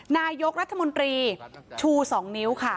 นายกรัฐมนตรีชู๒นิ้วค่ะ